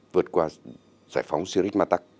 vượt qua giải phóng syrix matak